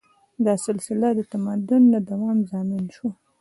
دا سلسله د تمدن د دوام ضامن شوه.